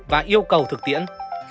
và yêu cầu thực tiễn